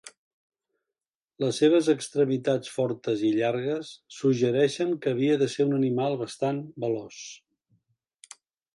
Les seves extremitats fortes i llargues suggereixen que havia de ser un animal bastant veloç.